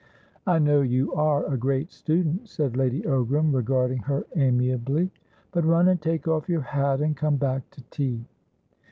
"I know you are a great student," said Lady Ogram, regarding her amiably. "But run and take off your hat, and come back to tea."